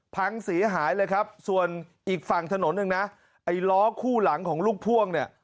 พังเสียหายเลยครับส่วนอีกฝั่งถนนหนึ่งนะไอ้ล้อคู่หลังของลูกพ่วงเนี่ย